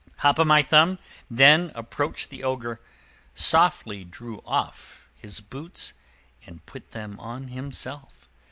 Hop o' My Thumb then approached the Ogre, softly drew off his boots, and put them on himself.